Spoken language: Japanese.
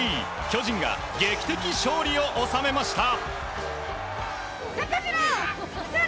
巨人が劇的勝利を収めました。